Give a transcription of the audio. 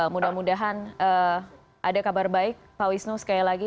mudah mudahan ada kabar baik pak wisnu sekali lagi